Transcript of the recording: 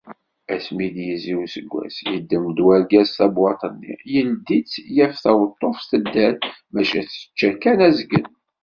Asmi i d-yezzi useggas, yeddem-d urgaz tabewwaḍt-nni, ildi-tt, yaf taweṭṭuft tedder, maca tečča kan azgen.